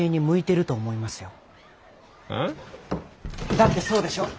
だってそうでしょ。